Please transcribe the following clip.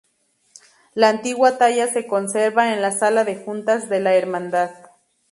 La antigua talla se conserva en la sala de juntas de la hermandad.